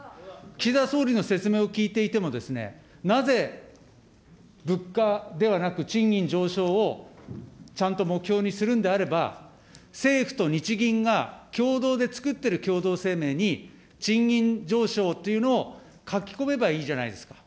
岸田総理の説明を聞いていてもですね、なぜ物価ではなく賃金上昇をちゃんと目標にするんであれば、政府と日銀がきょうどうで作ってる共同声明に賃金上昇というのを書き込めばいいじゃないですか。